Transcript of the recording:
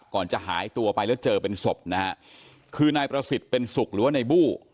ก่อนจะหายตัวไปแล้วเจอเป็นศพนะฮะคือนายประสิทธิ์เป็นสุขหรือว่าในบู้